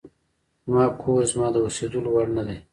زما کور زما د اوسېدلو وړ نه دی.